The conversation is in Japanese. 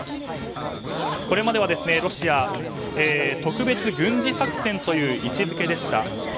これまではロシアでは特別軍事作戦という位置づけでした。